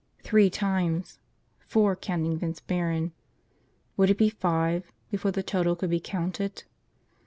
Three times. Four, counting Vince Barron. Would it be five before the total could be counted?